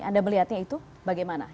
anda melihatnya itu bagaimana